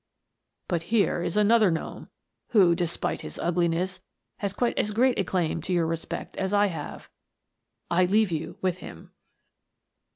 But here is another gnome who, despite his ugliness, has quite as great a claim to your re spect as I have. I leave you with him."